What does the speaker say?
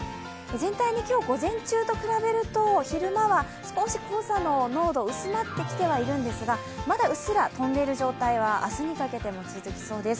全体に今日、午前中と比べると、昼間は黄砂の濃度、薄まってきてはいるんですがまだうっすら飛んでいる状態は明日にかけても続きそうです